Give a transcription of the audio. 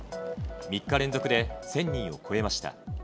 ３日連続で１０００人を超えました。